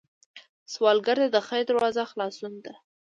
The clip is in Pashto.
سوالګر ته د خیر دروازه خلاصون ده